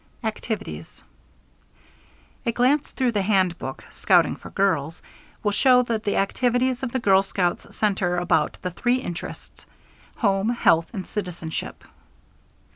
ACTIVITIES. A glance through the handbook, Scouting for Girls, will show that the activities of the girl scouts center about the three interests Home, Health, and Citizenship.